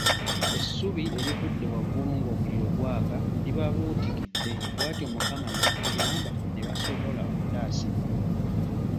Essubi erivudde waggulu ng'omuliro gwaka libabuutikidde bw'atyo Mukama n'atuyamba ne basobola okutaasibwa.